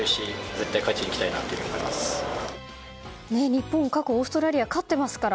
日本、過去オーストラリアに勝っていますから。